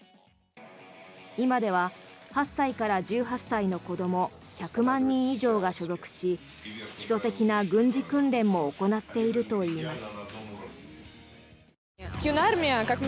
今では８歳から１８歳の子ども１００万人以上が所属し基礎的な軍事訓練も行っているといいます。